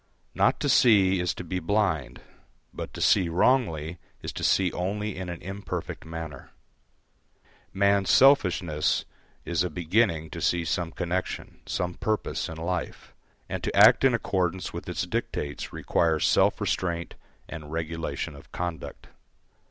Not to see is to be blind, but to see wrongly is to see only in an imperfect manner. Man's selfishness is a beginning to see some connection, some purpose in life; and to act in accordance with its dictates requires self restraint and regulation of conduct.